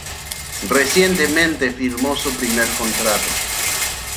Recientemente firmó su primer contrato.